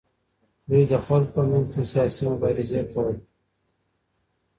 دوی د خلګو په منځ کي سياسي مبارزې کولې.